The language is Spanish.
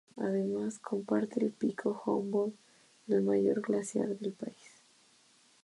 Además comparte con el Pico Humboldt, el mayor glaciar del país.